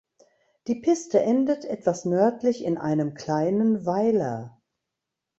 Die Piste endet etwas nördlich in einem kleinen Weiler.